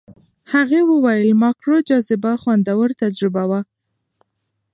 هغې وویل ماکرو جاذبه خوندور تجربه وه.